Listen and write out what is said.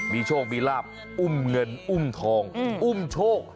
มีโชคมีลาบอุ้มเงินอุ้มทองอุ้มโชค